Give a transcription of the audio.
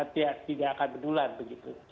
tidak akan berulang